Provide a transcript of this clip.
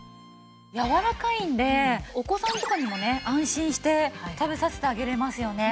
やわらかいんでお子さんとかにもね安心して食べさせてあげれますよね。